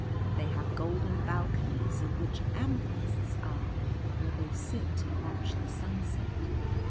They have golden balconies in which amethysts are where they sit and watch the sunset.